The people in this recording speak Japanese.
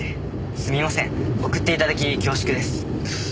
すみません送って頂き恐縮です。